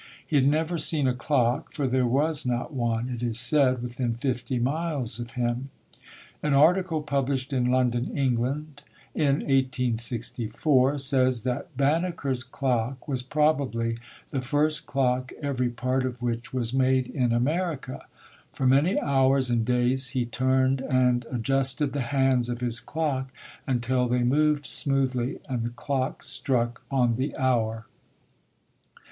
He had never seen a clock for there was not one, it is said, within fifty miles of him. An article published in BENJAMIN BANNEKER [ 161 London, England, in 1864, says that Banneker's clock was probably the first clock every part of which was made in America. For many hours and days he turned and adjusted the hands of his clock until they moved smoothly and the clock struck on the hour.